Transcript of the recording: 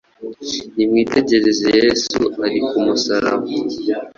Nimwitegereze Yesu ari ku musaraba